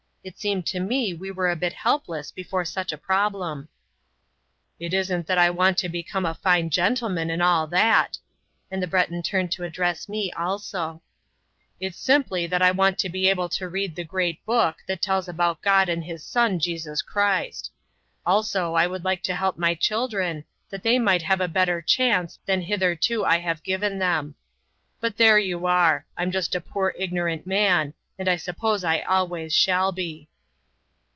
It seemed to me we were a bit helpless before such a problem. "It isn't that I want to become a fine gentleman, and all that"; and the Breton turned to address me also "It's simply that I want to be able to read the Great Book that tells about God and His Son Jesus Christ. Also I would like to help my children that they might have a better chance than hitherto I have given them. But there you are! I'm just a poor ignorant man, and I suppose I always shall be."